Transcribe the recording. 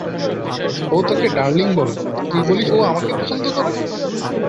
ও তোকে ডার্লিং বলে আর তুই বলিস ও আমাকে পছন্দ করে!